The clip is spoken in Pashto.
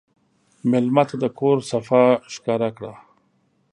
مېلمه ته د کور صفا ښکاره کړه.